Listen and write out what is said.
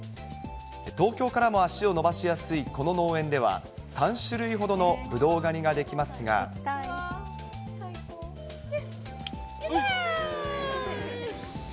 東京からも足を延ばしやすいこの農園では、３種類ほどのブドウ狩やったー！